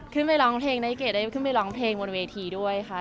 ไปร้องเพลงนายเกดได้ขึ้นไปร้องเพลงบนเวทีด้วยค่ะ